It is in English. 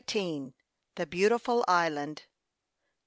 THE BEAUTIFUL ISLAND.